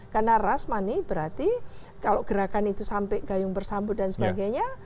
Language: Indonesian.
karena rashmani berarti kalau gerakan itu sampai gayung bersambut dan sebagainya